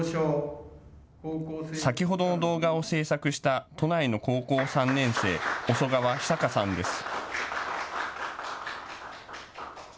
先ほどの動画を制作した都内の高校３年生、小曽川久華さんです。